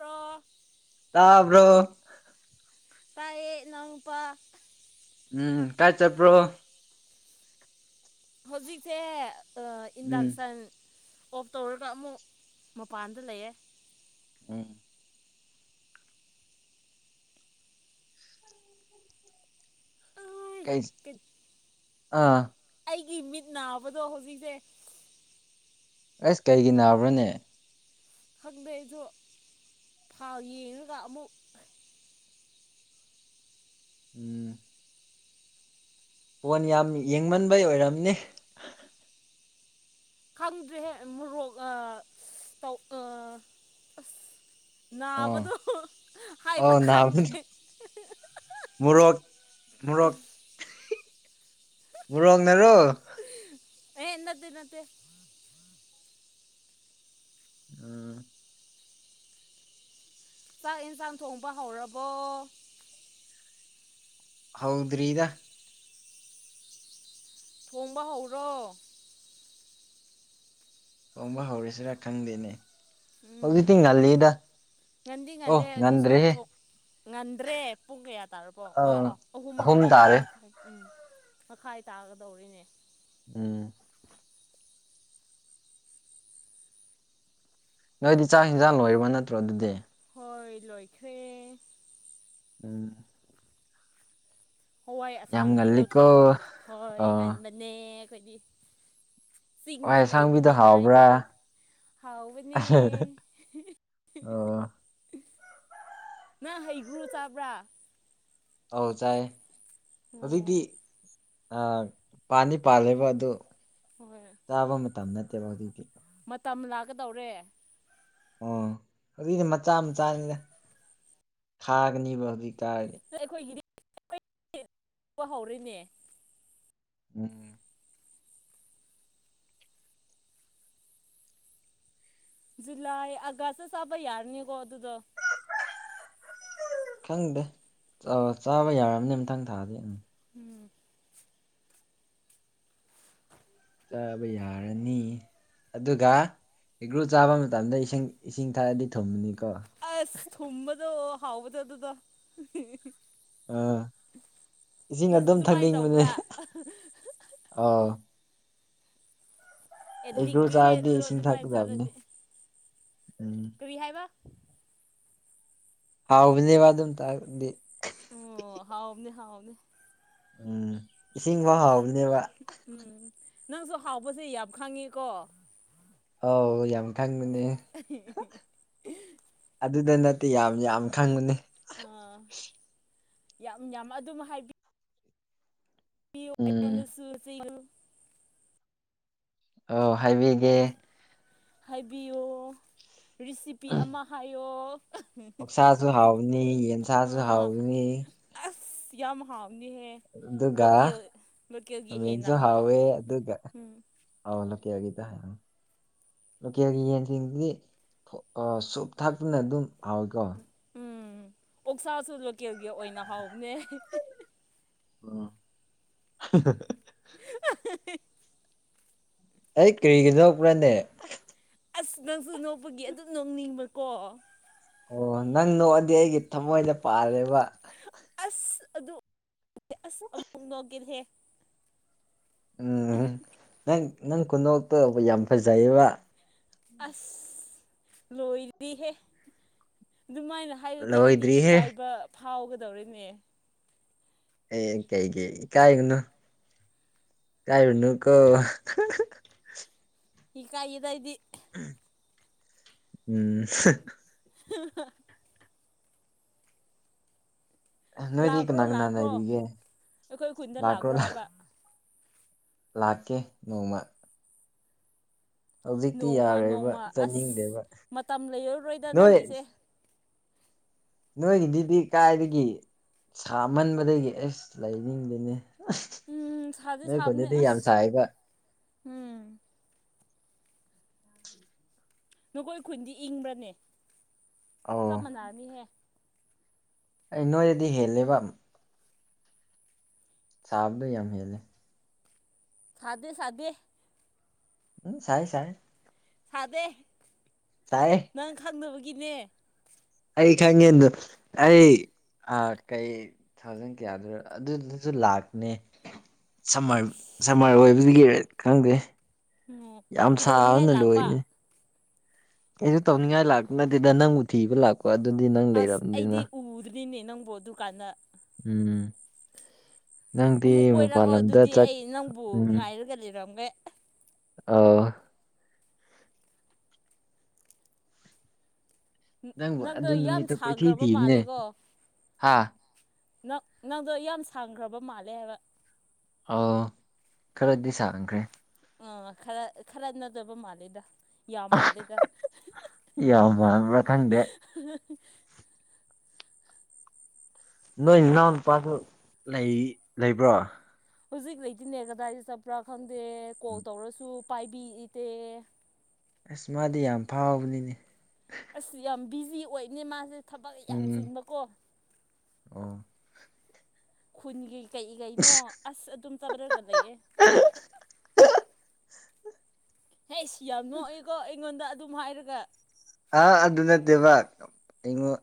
ꯇꯣ ꯇꯕ꯭ꯔꯣ ꯄꯥꯏꯌꯦ ꯂꯅꯥꯎ ꯄ ꯎꯝ ꯀꯥꯏ ꯆꯠꯄ꯭ꯔꯣ ꯍꯧꯖꯤꯛꯁꯦ ꯎꯝ ꯏꯟꯗꯛꯁꯟ ꯑꯣꯐ ꯇꯧꯔꯒ ꯑꯃꯨꯛ ꯃꯄꯥꯟꯗ ꯂꯩꯌꯦꯦ ꯎꯝ ꯑꯩ ꯀꯩ ꯑꯥ ꯑꯩꯒꯤ ꯃꯤꯠ ꯅꯥꯕꯗꯣ ꯍꯧꯖꯤꯛꯁꯦ ꯑꯁ ꯀꯩꯒꯤ ꯅꯥꯕ꯭ꯔꯅꯦ ꯈꯪꯕꯩꯗꯣ ꯊꯥꯎ ꯌꯦꯡꯉꯒ ꯑꯃꯨꯛ ꯎꯝ ꯐꯣꯟ ꯌꯥꯝ ꯌꯦꯡꯃꯟꯕꯩ ꯑꯣꯏꯔꯝꯅꯤ ꯈꯪꯗ꯭ꯔꯦꯍꯦ ꯃꯣꯔꯣꯛ ꯑ ꯑꯁ ꯇꯧ ꯑꯁ ꯑꯣ ꯅꯥꯕꯗꯣ ꯍꯥꯏꯕ ꯑꯧ ꯈꯪꯗꯦ ꯃꯣꯔꯣꯛ-ꯃꯣꯔꯣꯛ-ꯃꯣꯔꯣꯛ ꯅꯔꯣ? ꯑꯦ ꯏꯟꯗ ꯅꯠꯇꯦ ꯎꯝ ꯆꯥꯛ ꯌꯦꯟꯁꯥꯡ ꯊꯣꯡꯕ ꯍꯧꯔꯕꯣ ꯍꯥꯎꯗ꯭ꯔꯔꯤꯗ ꯊꯣꯡꯕ ꯍꯧꯔꯣ ꯇꯣꯡꯕ ꯍꯧꯔꯤꯁꯤꯔꯥ ꯈꯪꯗꯦꯅꯦ ꯎꯝ ꯍꯧꯖꯤꯛꯇꯤ ꯉꯜꯂꯤꯗ ꯉꯟꯗꯤ ꯑꯣ ꯉꯜꯂꯦ ꯑꯗꯨꯁꯨ ꯉꯟꯗ꯭ꯔꯦꯍꯦ ꯊꯣꯛ ꯉꯟꯗ꯭ꯔꯦ ꯄꯨꯡ ꯀꯌꯥ ꯇꯥꯔꯕꯣ ꯑꯣ ꯑꯥ ꯑꯣ ꯑꯍꯨꯝ ꯃꯈꯥꯏ ꯃꯈꯥꯏ ꯎꯝ꯫ ꯃꯈꯥꯏ ꯇꯥꯒꯗꯧꯔꯤꯅꯦ ꯎꯝ ꯅꯣꯏꯗꯤ ꯆꯥꯛ ꯍꯟꯖꯥꯡ ꯂꯣꯏꯔꯤꯕ ꯅꯠꯇ꯭ꯔꯣ ꯑꯗꯨꯗꯤ ꯍꯣꯏ ꯂꯣꯏꯈ꯭ꯔꯦ ꯎꯝ ꯍꯋꯥꯏ ꯌꯥꯝ ꯑꯁꯥꯡꯕꯤꯗꯣ ꯉꯜꯂꯤꯀꯣ ꯊꯣꯡ ꯍꯣꯏ ꯑꯥ ꯉꯟꯕꯅꯦ ꯑꯩꯈꯣꯏꯗꯤ ꯆꯤꯡꯗ ꯍꯋꯥꯏ ꯑꯁꯥꯡꯕꯤꯗꯣ ꯂꯩꯕꯅꯤꯅ ꯍꯥꯎꯕ꯭ꯔꯥ ꯑꯩꯈꯣꯏꯗꯤ ꯍꯥꯎꯕꯅꯦ ꯑꯣ ꯅꯪ ꯍꯩꯒ꯭ꯔꯨ ꯆꯥꯕ꯭ꯔꯥ ꯑꯧ ꯆꯥꯏ ꯍꯧꯖꯤꯛꯇꯤ ꯑꯣ ꯄꯥꯅꯤ ꯄꯥꯜꯂꯦꯕ ꯑꯗꯨ ꯍꯣꯏ ꯆꯥꯕ ꯃꯇꯝ ꯅꯠꯇꯦꯕꯗꯤꯗꯤ ꯃꯇꯝ ꯂꯥꯛꯀꯗꯧꯔꯦ ꯑꯣ ꯑꯗꯨꯏꯗꯤ ꯃꯆꯥ ꯃꯆꯥꯅꯤꯗ ꯊꯥꯒꯅꯦꯕ ꯍꯧꯖꯤꯛꯀꯥꯗꯤ ꯑꯩꯈꯣꯏꯒꯤꯗꯤ ꯍꯦꯛꯄ ꯍꯧꯔꯦꯅꯦ ꯑꯝ ꯖꯨꯂꯥꯢ ꯃꯒꯥꯢꯇ ꯆꯥꯕꯥ ꯌꯥꯔꯅꯤꯒꯣ ꯑꯗꯨꯗꯣ ꯈꯪꯗꯦ ꯆꯥꯕ ꯌꯥꯔꯅꯤ ꯃꯊꯪ ꯊꯥꯗꯤ ꯎꯝ ꯎꯝ ꯆꯥꯕ ꯌꯥꯔꯅꯤ ꯑꯗꯨꯒ ꯍꯩꯒ꯭ꯔꯨ ꯆꯥꯕ ꯃꯇꯝꯗ ꯏꯁꯤꯡ ꯏꯁꯤꯡ ꯊꯥꯛꯔꯗꯤ ꯊꯨꯝꯕꯅꯤꯀꯣ ꯑꯁ ꯊꯨꯝꯕꯗꯣ ꯍꯥꯎꯕꯗꯣ ꯑꯗꯨꯗꯣ ꯑꯥ ꯏꯁꯤꯡ ꯅꯪꯁꯨ ꯑꯗꯨꯝ ꯑꯗꯨꯃꯥꯏꯅ ꯊꯛꯅꯤꯡꯕꯅꯦ ꯇꯧꯕ꯭ꯔꯥ ꯑꯥꯎ ꯑꯦꯒ꯭ꯔꯨ ꯑꯦꯛꯗꯤꯅꯤꯍꯦ ꯆꯥꯔꯗꯤ ꯑꯗꯨ ꯏꯁꯤꯡ ꯑꯗꯨꯃꯥꯏꯅ ꯊꯛꯀꯗꯕꯅꯤ ꯆꯥꯔꯗꯤ ꯎꯝ ꯀꯔꯤ ꯍꯥꯏꯕ ꯍꯥꯎꯕꯅꯦꯕ ꯑꯗꯨꯢ ꯃꯇꯪꯡꯗꯨꯗꯤ ꯑꯣ ꯍꯥꯎꯕꯅꯦ ꯍꯥꯎꯕꯅꯦ ꯎꯝ ꯏꯁꯤꯡ ꯐꯥꯎ ꯍꯥꯎꯕꯅꯦꯕ ꯎꯝ ꯅꯪꯁꯨ ꯍꯥꯎꯕꯁꯦ ꯌꯥꯝ ꯈꯪꯉꯤꯀꯣ ꯑꯥꯎ ꯌꯥꯝ ꯈꯪꯕꯅꯦ ꯑꯗꯨꯗ ꯅꯠꯇꯦ ꯌꯥꯝ ꯌꯥꯝ ꯈꯪꯕꯅꯤ ꯑꯥ ꯌꯥꯝ ꯌꯥꯝ ꯑꯗꯨꯝ ꯍꯥꯏꯕꯤꯌꯨ ꯎꯝ ꯑꯩ ꯁꯨꯁꯤꯨ [inaudible] ꯑꯧ ꯍꯥꯏꯕꯤꯒꯦ ꯍꯥꯏꯕꯤꯌꯨ ꯔꯤꯁꯤꯄꯤ ꯑꯃ ꯍꯥꯏꯌꯣ ꯑꯣꯛꯁꯥꯁꯨ ꯍꯥꯎꯅꯤ ꯌꯦꯟꯁꯥꯁꯨ ꯑꯥ ꯍꯥꯎꯅꯤ ꯑꯁ ꯌꯥꯝ ꯍꯥꯎꯅꯤꯍꯦ ꯑꯗꯨꯒ ꯂꯣꯀꯦꯜ ꯂꯣꯀꯦꯜꯒꯤ ꯍꯦꯟꯅ ꯃꯤꯁꯨ ꯍꯥꯎꯕ ꯍꯧꯋꯦ ꯑꯗꯨꯒ ꯎꯝ ꯑ ꯂ ꯀꯦ ꯍꯥꯏꯒꯤꯗ ꯍꯥꯏ [inaudible] ꯂꯣꯀꯦꯜꯒꯤ ꯌꯦꯟꯁꯤꯡꯁꯤꯗꯤ ꯁꯨꯞ ꯊꯥꯛꯂꯁꯨ ꯑꯗꯨꯝ ꯍꯥꯎꯋꯤꯀꯣ ꯎꯝ ꯑꯣꯛꯁꯥꯁꯨ ꯂꯣꯀꯦꯜꯒꯤ ꯑꯣꯏꯅ ꯍꯥꯎꯕꯅꯦ ꯑꯣ [inaudible] ꯑ [inaudible] ꯑꯦ ꯀꯔꯤꯒꯤ ꯅꯣꯛꯄ꯭ꯔꯥꯅꯦ ꯑꯁ ꯅꯪꯁꯨ ꯅꯣꯛꯄꯒꯤ ꯑꯗꯨꯝ ꯅꯣꯡꯅꯤꯡꯕꯀꯣ ꯑꯣ ꯅꯪ ꯅꯣꯛꯑꯗꯤ ꯑꯩꯒꯤ ꯊꯃꯣꯏꯗ ꯄꯥꯜꯂꯦꯕ ꯑꯁ ꯑꯗꯨ ꯑꯁ ꯑꯃꯨꯛ ꯅꯣꯛꯒꯤꯍꯦ ꯎꯝ ꯎꯝ ꯅꯪ ꯅꯪ ꯈꯨꯗꯣꯛꯇꯣ ꯌꯥꯝ ꯐꯖꯩꯌꯦꯕ ꯑꯁ ꯂꯣꯏꯔꯤꯍꯦ ꯑꯗꯨꯃꯥꯏꯅ ꯍꯥꯏꯔꯗꯤ ꯑꯩꯗꯤ ꯂꯣꯏꯗ꯭ꯔꯤꯍꯦ ꯏꯀꯥꯏꯕ ꯐꯥꯎꯒꯗꯧꯔꯦꯅꯦ ꯑꯦ ꯀꯩ ꯀꯩ ꯢꯀꯥꯏꯒꯅꯨ ꯢꯀꯥꯏꯔꯨꯅꯨ ꯀꯣ ꯏꯀꯥꯏꯌꯦꯗ ꯑꯩꯗꯤ ꯎꯝ ꯍ [inaudible] ꯅꯣꯏꯗꯤ ꯂꯥꯛꯈ꯭ꯔꯣ ꯀꯅꯥ ꯀꯅꯥ ꯂꯥꯛꯈ꯭ꯔꯣ ꯂꯩꯔꯤꯒꯦ ꯑꯩꯈꯣꯏ ꯀꯨꯟꯗ ꯂꯥꯛꯈ꯭ꯔꯣ ꯍꯥꯏꯕ ꯂꯥꯛꯀꯦ ꯅꯣꯡꯃ ꯍꯧꯖꯤꯛꯇꯤ ꯅꯣꯡꯃ ꯌꯥꯔꯣꯏꯕ ꯅꯣꯡꯃ ꯑꯁ ꯆꯠꯅꯤꯡꯗꯦꯕ ꯃꯇꯝ ꯂꯩꯔꯔꯣꯏꯗ ꯅꯣꯏ ꯅꯪꯒꯤꯁꯦ ꯅꯣꯏꯒꯤꯗꯨꯗꯤ ꯀꯥꯏꯗꯒꯤ ꯁꯥꯃꯟꯕꯗꯒꯤ ꯑꯁ ꯂꯩꯅꯤꯡꯗꯦꯅꯦ ꯎꯝ ꯁꯥꯗꯤ ꯅꯣꯏ ꯁꯥꯕꯅꯦ ꯈꯨꯟꯗꯗꯤ ꯌꯥꯝ ꯑꯁ ꯁꯥꯏꯕ ꯍꯨꯝ ꯅꯈꯣꯏ ꯈꯨꯟꯗꯤ ꯏꯪꯕ꯭ꯔꯅꯦ ꯑꯧ ꯆꯞ ꯃꯥꯟꯅꯔꯅꯤꯍꯦ ꯑꯦ ꯅꯣꯏꯅꯗꯤ ꯍꯦꯂꯦꯕ ꯁꯥꯕꯗꯣ ꯌꯥꯝ ꯍꯦꯜꯂꯦ ꯁꯥꯗꯦ ꯁꯥꯗꯦ ꯎꯝ ꯁꯥꯏ ꯁꯥꯏ ꯁꯥꯗꯦ ꯁꯥꯏꯌꯦ ꯅꯪ ꯈꯪꯅꯕꯒꯤꯅꯦ ꯑꯩ ꯈꯪꯉꯦꯗ ꯑꯩ ꯑꯥ ꯀꯩ ꯅꯪ ꯀꯌꯥꯗ ꯑꯗꯨꯗꯨꯁꯨ ꯂꯥꯛꯀꯅꯤ꯫ ꯁꯝꯃꯔ ꯁꯝꯃꯔ ꯑꯣꯏꯕꯖꯤꯒꯤꯔ ꯈꯪꯗꯦ ꯎꯝ ꯌꯥꯝ ꯀꯩꯗꯧꯅꯤꯡꯉꯥꯏ ꯁꯥꯕꯅ ꯂꯥꯛꯄ ꯂꯣꯏꯑꯦ ꯑꯩꯁꯨ ꯇꯧꯅꯤꯡꯉꯥꯏ ꯂꯥꯛꯄ ꯅꯠꯇꯦꯗ ꯅꯪꯕꯨ ꯊꯤꯕ ꯂꯥꯛꯄ ꯑꯗꯨꯗꯤ ꯅꯪ ꯑꯁ ꯂꯩꯔꯕꯅꯤꯅ ꯑꯩꯗꯤ ꯎꯗ꯭ꯔꯤꯅꯦ ꯅꯪꯕꯨ ꯗꯨꯀꯥꯟꯗ ꯎꯝ ꯅꯪꯗꯤ ꯑꯃꯨꯛ ꯃꯄꯥꯟ ꯀꯣꯏꯔꯛꯑꯣ ꯂꯝꯗ ꯑꯗꯨꯗꯤ ꯆꯠ ꯑꯩ ꯅꯪꯕꯨ ꯉꯥꯏꯔꯒ ꯂꯩꯔꯝꯒꯦ ꯑ ꯅꯪꯕꯨ ꯅꯪꯗꯣ ꯑꯗꯨ ꯌꯥꯝ ꯅꯨꯃꯤꯠꯇ ꯀꯣꯏꯊꯤ ꯁꯥꯡꯒ꯭ꯔꯕ ꯊꯤꯕꯅꯦ ꯃꯥꯜꯂꯦꯀꯣ ꯍꯥ ꯅꯪ ꯅꯪꯗꯣ ꯌꯥꯝ ꯁꯥꯡꯈ꯭ꯔꯕ ꯃꯥꯜꯂꯦ ꯍꯥꯏꯕ ꯑꯥꯎ ꯈꯔꯗꯤ ꯁꯥꯡꯈ꯭ꯔꯦ ꯑ ꯈꯔ ꯈꯔꯅꯗꯕ ꯃꯥꯜꯂꯦꯗ ꯌꯥꯝ ꯃꯥꯜꯂꯦꯗ ꯌꯥꯝ ꯃꯥꯟꯕ꯭ꯔꯥ ꯈꯪꯗꯦ ꯅꯣꯏ ꯅꯥꯎ ꯅꯨꯄꯥꯁꯨ ꯂꯩ ꯂꯩꯕ꯭ꯔꯣ ꯍꯧꯖꯤꯛ ꯂꯩꯇꯅꯦ ꯀꯗꯥꯏꯗ ꯆꯠꯄ꯭ꯔꯥ ꯈꯪꯗꯦ ꯀꯣꯜ ꯇꯧꯔꯁꯨ ꯄꯥꯏꯕꯤ ꯏꯇꯦ ꯑꯁ ꯃꯥꯗꯤ ꯌꯥꯝ ꯐꯥꯎꯕꯅꯤꯅꯦ꯫ ꯑꯁ ꯌꯥꯝ ꯕꯤꯖꯤ ꯑꯣꯏꯅꯦ ꯃꯥꯁꯦ ꯊꯕꯛ ꯌꯥꯝ ꯎꯝ ꯆꯤꯟꯕꯀꯣ ꯑꯣ꯫ ꯈꯨꯟꯒꯤ ꯀꯩ ꯀꯩꯅꯣ ꯑꯁ ꯑꯗꯨꯝ ꯆꯠꯔꯒ ꯂꯩꯌꯦ ꯍꯩꯁ ꯌꯥꯝ ꯅꯣꯛꯑꯦꯀꯣ ꯑꯩꯉꯣꯟꯗ ꯑꯗꯨꯝ ꯍꯥꯏꯔꯒ ꯑ ꯑꯗꯨ ꯅꯠꯇꯦꯕ ꯑꯩꯉꯣꯟ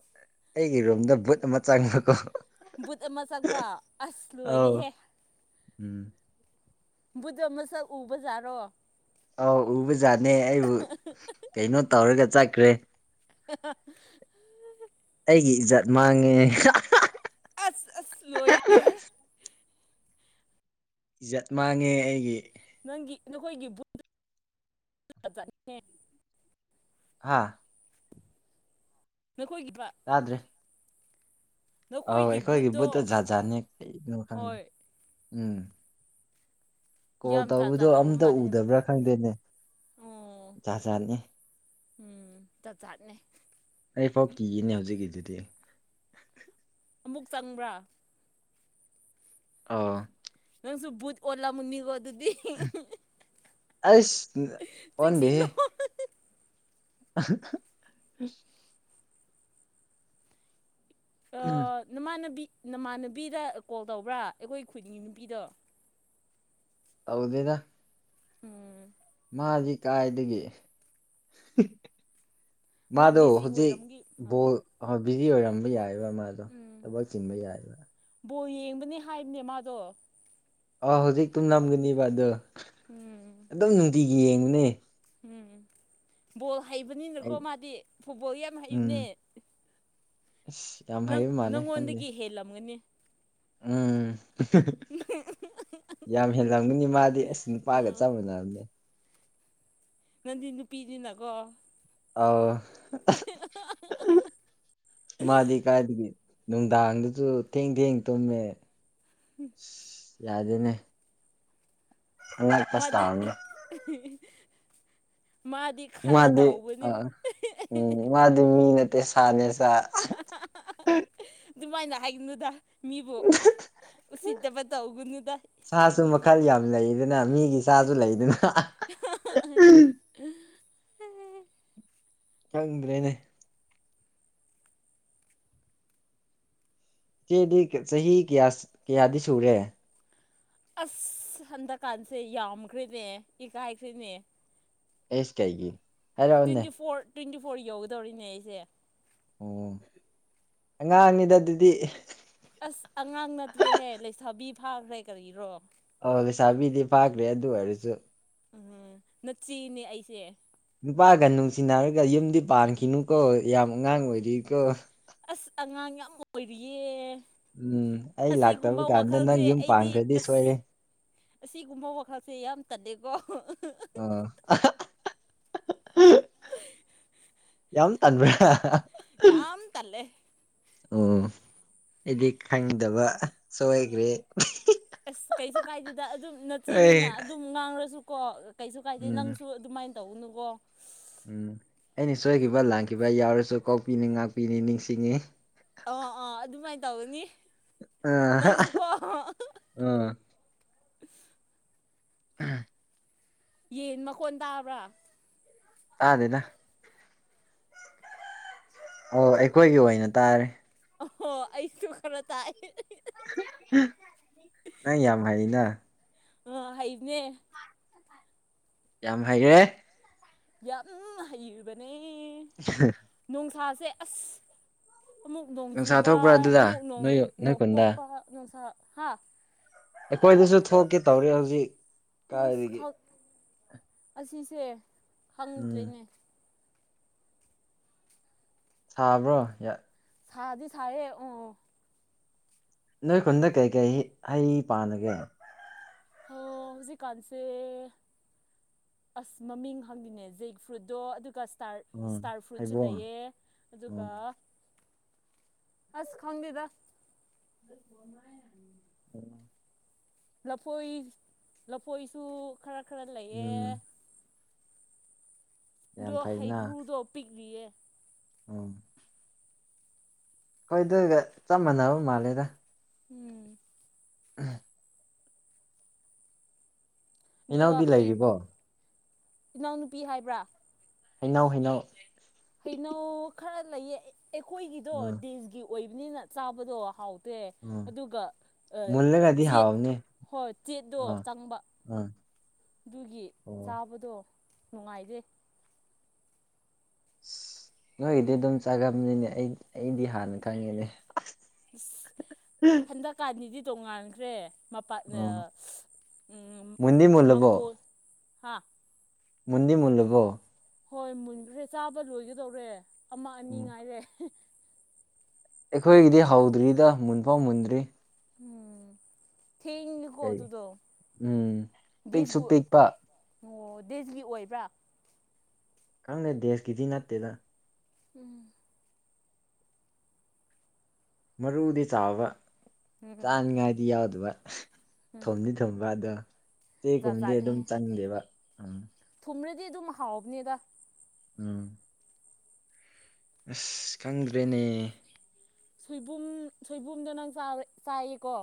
ꯑꯩꯒꯤ ꯔꯨꯝꯗ ꯕꯨꯠ ꯑꯃ ꯆꯪꯕꯀꯣ ꯕꯨꯠ ꯑꯃ ꯆꯪꯕ ꯑꯁ ꯑꯧ ꯂꯣꯏꯔꯦꯍꯦ ꯎꯝ ꯕꯨꯗ ꯃꯁꯛ ꯎꯕꯖꯥꯔꯣ ꯑꯧ ꯎꯕꯖꯥꯠꯅꯦ ꯑꯩꯕꯨ ꯀꯩꯅꯣ ꯇꯧꯔꯒ ꯆꯠꯀ꯭ꯔꯦ ꯑ [unintelligible] ꯑꯩꯒꯤ ꯏꯖꯠ ꯃꯥꯡꯉꯦ ꯑꯁ ꯑꯁ ꯂꯣꯏꯔꯍꯦ ꯏꯖꯠ ꯃꯥꯡꯉꯦ ꯑꯩꯒꯤ ꯅꯪꯒꯤ ꯅꯈꯣꯏꯒꯤ ꯆꯠ [unintelligible] ꯍꯥꯥ ꯅꯈꯣꯏꯒꯤꯗ꯭ꯔ ꯇꯥꯗ꯭ꯔꯦ ꯑꯧ ꯑꯩꯈꯣꯏꯒꯤ ꯕꯨꯠꯇꯣ ꯖꯥꯠꯖꯥꯠꯅꯦ ꯀꯩꯅꯣ ꯈꯪꯗꯦ ꯍꯣꯏ ꯎꯝ ꯀꯣꯜ ꯌꯥꯝ ꯖꯥꯠ ꯇꯧꯕꯗꯣ ꯖꯥꯠ ꯇꯧꯕ ꯑꯝꯇ ꯃꯥꯜꯂꯦ ꯍꯥꯏꯕ ꯎꯗꯕ꯭ꯔꯥ ꯈꯪꯗꯦꯅꯦ ꯑꯣ ꯖꯥꯠ ꯖꯥꯠꯅꯤ ꯎꯝ ꯆ ꯖꯥꯠꯅꯦ ꯑꯩꯐꯥꯎ ꯀꯤꯌꯦꯅꯦ ꯍꯧꯖꯤꯛꯀꯤꯗꯨꯗꯤ ꯑꯃꯨꯛ ꯆꯪꯕ꯭ꯔꯥ ꯑꯥ ꯅꯪꯁꯨ ꯕꯨꯠ ꯑꯣꯜꯂꯃꯨꯅꯤꯀꯣ ꯑꯗꯨꯗꯤ ꯑꯩꯁ ꯇꯦꯛꯁꯤ ꯂꯣ ꯍꯥ ꯅꯃꯥꯟꯅꯕꯤ ꯅꯃꯥꯟꯅꯕꯤꯗ ꯀꯣꯜ ꯇꯧꯕ꯭ꯔꯥ ꯑꯩꯈꯣꯏ ꯈꯨꯗꯤꯡꯒꯤ ꯅꯨꯄꯤꯗꯣ ꯇꯧꯗꯅ ꯎꯝ ꯃꯥꯁꯤ ꯀꯥꯏꯗꯒꯤ ꯃꯥ ꯃꯥꯗꯨꯣ ꯕꯤꯖꯤ ꯑꯣꯏꯔꯝꯒꯤ ꯍꯧꯖꯤꯛꯣ ꯃꯥꯜꯂꯦ ꯑꯍꯣꯏ ꯕꯤꯖꯤ ꯑꯣꯏꯔꯝꯕ ꯌꯥꯏꯑꯕ ꯃꯥꯗꯣ ꯊꯕꯛ ꯆꯤꯟꯕ ꯌꯥꯏꯑꯕ ꯕꯣ ꯌꯦꯡꯕꯅꯤ ꯍꯥꯏꯕꯅꯦ ꯃꯥꯗꯣ ꯑꯥ ꯍꯧꯖꯤꯛ ꯇꯨꯝ ꯅꯝꯒꯅꯦꯕ ꯑꯗꯣ ꯎꯝ ꯑꯗꯨꯝ ꯅꯨꯡꯇꯤꯒꯤ ꯌꯦꯡꯉꯨꯅꯦ ꯎꯝ ꯕꯣꯜ ꯍꯩꯕꯅꯤꯅꯀꯣ ꯑꯩ ꯃꯥꯗꯤ ꯐꯨꯠꯕꯣꯜ ꯌꯥꯝ ꯎꯝ ꯍꯩꯕꯅꯦ ꯑꯁ ꯌꯥꯝ ꯍꯥꯏꯕ ꯃꯥꯥꯟꯂ ꯈꯪꯗꯦ ꯍꯦꯜꯂꯝꯒꯅꯤꯅꯦ ꯎꯝ ꯌꯥꯝ ꯍꯦꯜꯂꯝꯒꯅꯤ ꯃꯥꯗꯤ ꯑꯁ ꯅꯨꯄꯥꯒ ꯎꯝ ꯆꯞ ꯃꯥꯟꯅꯕꯅꯦ ꯅꯪꯗꯤ ꯅꯨꯄꯤꯅꯤꯅꯀꯣ ꯑꯥꯎ ꯍꯥ ꯃꯥꯗꯤ ꯀꯥꯏꯗꯒꯤ ꯅꯨꯡꯗꯥꯡꯗꯁꯨ ꯊꯦꯡ ꯊꯦꯡ ꯇꯨꯝꯃꯦ ꯌꯥꯗꯦꯅꯦ ꯑꯉꯛꯄꯁ ꯃꯥꯗꯤ ꯇꯥꯕꯅꯦ ꯃꯥꯗꯤ ꯈꯔ ꯃꯥꯗꯤ ꯑ ꯇꯧꯕꯅꯦ ꯎꯝ ꯃꯥꯗꯤ ꯃꯤ ꯅꯠꯇꯦ ꯁꯥꯅꯦꯁ ꯍꯥ ꯍꯥ ꯍꯥ ꯑꯗꯨꯃꯥꯏꯅ ꯍꯥꯏꯒꯅꯨꯗ ꯃꯤꯕꯨ ꯎꯁꯤꯠꯇꯕ ꯇꯧꯒꯅꯨꯗ ꯁꯥꯁꯨ ꯃꯈꯜ ꯌꯥꯝ ꯂꯩꯗꯅ ꯃꯤꯒꯤ ꯁꯥꯁꯨ ꯂꯩꯗꯅ ꯍꯥ ꯍꯥ ꯆꯪꯗ꯭ꯔꯦꯅꯦ ꯆꯦꯗꯤ ꯆꯍꯤ ꯀꯌꯥ ꯀꯌꯥꯗꯤ ꯁꯨꯔꯦ ꯑꯁ ꯍꯟꯗꯛꯀꯥꯟꯁꯦ ꯌꯥꯝꯈ꯭ꯔꯦꯅꯦ ꯏꯒꯥꯏꯈ꯭ꯔꯦꯅꯦ ꯑꯦꯁꯤ ꯀꯩꯒꯤ ꯍꯥꯏꯔꯛꯑꯣꯅꯦ ꯇ꯭ꯋꯦꯟꯇꯤ ꯐꯣꯔ ꯇ꯭ꯋꯦꯟꯇꯤ ꯐꯣꯔ ꯌꯧꯒꯗꯧꯔꯤꯅꯦ ꯑꯩꯁꯦ ꯎꯝ ꯑꯉꯥꯡꯅꯤꯗ ꯑꯗꯨꯗꯤ ꯑꯁ ꯑꯉꯥꯡ ꯅꯠꯇ꯭ꯔꯦꯍꯦ ꯂꯩꯁꯥꯕꯤ ꯐꯥꯈ꯭ꯔꯦ ꯀꯔꯤꯔꯣ ꯑ ꯂꯩꯁꯥꯕꯤꯗꯤ ꯐꯥꯈ꯭ꯔꯦ ꯑꯗꯨ ꯑꯣꯏꯔꯁꯨ ꯑꯝ ꯅꯠꯆꯤꯅꯦ ꯑꯩꯁꯦ ꯅꯨꯄꯥꯒ ꯅꯨꯡꯁꯤꯅꯔꯒ ꯌꯨꯝꯗꯤ ꯄꯥꯟꯈꯤꯅꯨꯀꯣ ꯌꯥꯝ ꯑꯉꯥꯡ ꯑꯣꯏꯔꯤꯀꯣ ꯑꯁ ꯑꯉꯥꯡ ꯌꯥꯝ ꯑꯣꯏꯔꯤꯌꯦ ꯎꯝ ꯑꯩ ꯂꯥꯛꯇꯕ ꯑꯁꯤꯒꯨꯝꯕ ꯀꯥꯟꯗ ꯅꯪ ꯋꯥꯈꯜꯁꯦ ꯌꯨꯝ ꯑꯩꯗꯤ ꯄꯥꯟꯈ꯭ꯔꯗꯤ ꯑꯁ ꯁꯣꯏꯔꯦ ꯑꯁꯤꯒꯨꯝꯕ ꯋꯥꯈꯜꯁꯦ ꯌꯥꯝ ꯇꯟꯗꯦꯀꯣ ꯑꯣ ꯍ ꯌꯥꯝ ꯇꯟꯥꯟꯕ꯭ꯔꯥ ꯌꯥꯝ ꯇꯂꯦ ꯑꯣ ꯑꯩꯗꯤ ꯈꯪꯗꯕ ꯁꯣꯏꯈ꯭ꯔꯦ ꯑꯁ ꯀꯩꯁꯨ ꯀꯥꯏꯗꯦꯗ ꯑꯗꯨꯝ ꯑꯩ ꯅꯠꯇ꯭ꯔꯤꯅꯤꯅ ꯑꯗꯨꯝ ꯉꯥꯡꯂꯁꯨꯀꯣ ꯀꯩꯁꯨ ꯀꯥꯏꯗꯦ ꯎꯝ ꯅꯪꯁꯨ ꯑꯗꯨꯃꯥꯏꯅ ꯇꯧꯅꯨꯀꯣ ꯎꯝ ꯑꯩꯅ ꯁꯣꯏꯈꯤꯕ ꯂꯥꯟꯈꯤꯕ ꯌꯥꯎꯔꯁꯨ ꯀꯣꯛꯄꯤꯅꯤ ꯉꯥꯛꯄꯤꯅꯤ ꯅꯤꯡꯁꯤꯡꯉꯤ ꯑꯥ ꯑꯥ ꯑꯗꯨꯃꯥꯏꯅ ꯇꯧꯒꯅꯤ ꯑꯥ ꯅꯪꯁꯨꯀꯣ ꯎꯝ꯫ [inaudible] ꯌꯦꯟ ꯃꯈꯣꯟ ꯇꯥꯕ꯭ꯔ꯫ ꯇꯥꯗꯦꯗ꯫ ꯑꯣ ꯑꯩꯈꯣꯏꯒꯤ ꯑꯣꯏꯅ ꯇꯥꯔꯦ꯫ ꯑꯍꯣ ꯑꯩꯁꯨ ꯈꯔ ꯇꯥꯏꯑ꯫ ꯅꯪ ꯌꯥꯝ ꯍꯩꯅ꯫ ꯑ ꯍꯩꯕꯅꯦ꯫ ꯌꯥꯝ ꯍꯩꯔꯦ꯫ ꯌꯥꯝꯅ ꯍꯩꯕꯅꯦ꯫ [unintelligible] ꯅꯣꯡꯁꯥꯁꯦ ꯑꯁ ꯑꯃꯨꯛ ꯅꯣꯡ ꯅꯨꯡꯁꯥ ꯆꯨꯕ ꯊꯣꯛꯄ꯭ꯔꯥ ꯑꯗꯨꯗ ꯑꯃꯨꯛ ꯅꯣꯏ ꯅꯣꯏ ꯈꯨꯟꯗ ꯅꯣꯡꯊꯣꯛꯄ ꯅꯨꯡꯁꯥ ꯍꯥ꯫ ꯑꯩꯈꯣꯏꯗꯁꯨ ꯊꯣꯛꯀꯦ ꯇꯧꯔꯦ ꯍꯧꯖꯤꯛ꯫ ꯀꯥꯏꯗꯒꯤ ꯑꯁ ꯑꯁꯤꯁꯦ ꯎꯝ ꯍꯪꯗ꯭ꯔꯦꯅꯦ꯫ ꯁꯥꯥꯕ꯭ꯔꯣ? ꯁꯗꯤ ꯁꯥꯏꯌꯦ ꯎꯪ꯫ ꯅꯣꯏ ꯈꯨꯟꯗ ꯀꯩꯀꯩ ꯍꯩ ꯄꯥꯂꯒꯦ? ꯍ ꯍꯧꯖꯤꯛ ꯀꯥꯟꯁꯦ ꯑꯁ ꯃꯃꯤꯡ ꯍꯪꯉꯗꯦꯅꯦ ꯖꯦꯛ ꯐ꯭ꯔꯨꯏꯠꯇꯣ ꯑꯗꯨꯒ ꯎꯝ ꯏꯁꯇꯥꯔ-ꯏꯁꯇꯥꯔ ꯐ꯭ꯔꯨꯠꯁꯨ ꯍꯩꯕꯣꯡ ꯂꯩꯌꯦ ꯑꯗꯨꯒ ꯎꯝ ꯑꯁ ꯈꯪꯗꯦꯗ꯫ [inaudible] ꯂꯐꯣꯏ ꯂꯐꯣꯏꯁꯨ ꯈꯔ-ꯈꯔ ꯂꯩꯌꯦ꯫ ꯎꯝ ꯌꯥꯝ ꯗꯣ ꯐꯩꯅ ꯍꯩꯒ꯭ꯔꯨꯗꯣ ꯄꯤꯛꯂꯤꯌꯦ꯫ ꯎꯝ꯫ ꯑꯩꯈꯣꯏꯗꯨꯒ ꯆꯞ ꯃꯥꯟꯅꯕ ꯃꯥꯜꯂꯦꯗ꯫ ꯎꯝ ꯎꯝ [unintelligible] ꯑꯗꯨꯒ ꯍꯩꯅꯧꯗꯤ ꯍꯩ ꯂꯩꯔꯤꯕꯣ ꯏꯅꯥꯎꯅꯨꯄꯤ ꯍꯥꯏꯕ꯭ꯔꯥ? ꯍꯩꯅꯧ-ꯍꯩꯅꯧ꯫ ꯍꯩꯅꯧ ꯈꯔ ꯂꯩꯌꯦ ꯑꯩꯈꯣꯏꯒꯤꯗꯣ ꯎꯝ ꯗꯦꯁꯒꯤ ꯑꯣꯏꯕꯅꯤꯅ ꯆꯥꯕꯗꯣ ꯍꯥꯎ ꯎꯝ [unintelligible] ꯑꯗꯨꯒ ꯃꯨꯜꯂꯒꯗꯤ ꯆꯦꯠ ꯍꯥꯎꯕꯅꯦ ꯍꯣꯏ ꯆꯦꯠꯇꯣ ꯑꯥ ꯆꯪꯕ꯫ ꯑꯥ ꯑꯗꯨꯒꯤ ꯑꯣ ꯆꯥꯕꯗꯣ ꯅꯨꯡꯉꯥꯏꯗꯦ꯫ ꯑꯁ ꯅꯣꯏꯒꯤꯗꯤ ꯑꯗꯨꯝ ꯆꯥꯒꯟꯕꯅꯤꯅꯦ ꯑꯩ-ꯑꯩꯗꯤ ꯍꯥꯟꯅ ꯈꯪꯉꯤꯅꯦ [unintelligible] ꯑꯁ ꯍꯟꯗꯛꯀꯥꯟꯗꯤꯗꯤ ꯇꯣꯡꯉꯥꯟꯈ꯭ꯔꯦ꯫ ꯃꯄꯥ ꯎꯝ ꯃꯨꯟꯗꯤ [unintelligible] ꯃꯨꯜꯂꯕꯣ ꯃꯪꯒꯣꯜ ꯍꯥꯥ ꯃꯨꯟꯗꯤ ꯃꯜꯂꯕꯣ꯫ ꯍꯣꯏ ꯃꯨꯟꯈ꯭ꯔꯦ ꯆꯥꯕ ꯂꯣꯏꯒꯗꯧꯔꯦ ꯑꯃ ꯑꯅꯤ ꯎꯝ ꯉꯥꯏꯔꯦ꯫ ꯑꯩꯈꯣꯏꯒꯤꯗꯤ ꯍꯧꯗ꯭ꯔꯤꯗ ꯃꯨꯟꯐꯥꯎ ꯃꯨꯟꯗ꯭ꯔꯤ꯫ ꯎꯝ [unintelligible] ꯀꯣ ꯀꯩ ꯑꯗꯨꯗꯣ ꯎꯝ ꯄꯤꯛꯁꯨ ꯄꯤꯛꯄ ꯑꯣ ꯗꯦꯁꯒꯤ ꯑꯣꯏꯕ꯭ꯔꯥ? ꯈꯪꯗꯦ ꯗꯦꯁꯀꯤꯗꯤ ꯅꯠꯇꯦꯗ꯫ ꯎꯝ꯫ ꯃꯔꯨꯗꯤ ꯆꯥꯎꯕ ꯎꯝ ꯆꯥꯅꯤꯉꯥꯏꯗꯤ ꯌꯥꯎꯗꯕ꯫ ꯎꯝ ꯊꯨꯝꯗꯤ ꯊꯨꯕ ꯑꯗꯣ ꯖꯥꯠ ꯆꯦꯒꯨꯝꯗꯤ ꯑꯗꯨꯝ ꯆꯪꯗꯦꯕ ꯎꯝ꯫ ꯊꯨꯝꯃꯔꯗꯤ ꯑꯗꯨꯝ ꯍꯥꯎꯕꯅꯤꯗ꯫ ꯎꯝ꯫ ꯑꯁ ꯈꯪꯗ꯭ꯔꯦꯅꯦ꯫ ꯁꯣꯏꯕꯨꯝ ꯁꯣꯏꯕꯨꯝꯗꯣ ꯅꯪ ꯆꯥꯎꯑ-ꯆꯥꯏꯌꯦꯀꯣ꯫